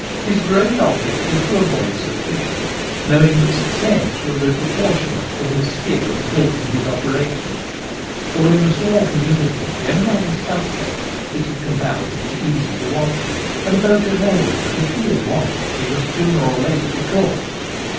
His great object is to avoid suspicion, knowing that success will be proportionate to his skill in cloak ing his operations ; for in a small community, when a man is ' suspect/ it is comparatively easy to watch him, and a poacher knows that if he is watched he must sooner or later be caught.